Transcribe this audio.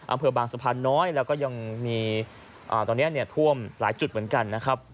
อำเภอบางสะพานน้อยแล้วก็ยังมีตอนนี้ท่วมหลายจุดเหมือนกันนะครับ